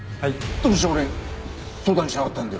どうして俺に相談しなかったんだよ？